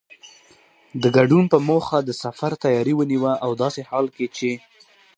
د ګډون په موخه د سفر تیاری ونیوه او داسې حال کې چې